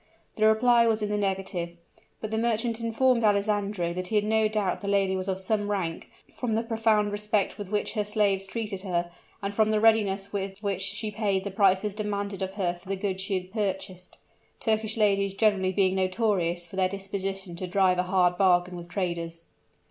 The reply was in the negative, but the merchant informed Alessandro that he had no doubt the lady was of some rank, from the profound respect with which her slaves treated her, and from the readiness with which she paid the prices demanded of her for the goods she had purchased, Turkish ladies generally being notorious for their disposition to drive a hard bargain with traders.